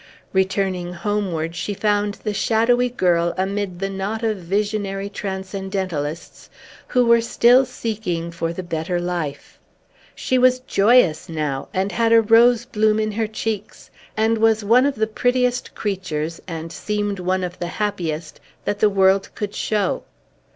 Returning homeward, she found the shadowy girl amid the knot of visionary transcendentalists, who were still seeking for the better life. She was joyous now, and had a rose bloom in her cheeks, and was one of the prettiest creatures, and seemed one of the happiest, that the world could show.